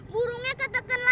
burungnya keteken lagi